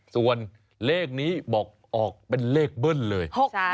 ส่วนเลขนี้บอกออกเป็นเลขเบิ้ลเลย